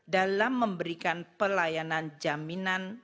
dalam memberikan pelayanan jaminan